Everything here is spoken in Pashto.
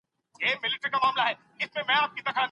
پاکه څېره د پاک نیت او پاک زړه نښه وي.